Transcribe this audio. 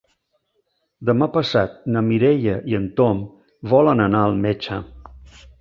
Demà passat na Mireia i en Tom volen anar al metge.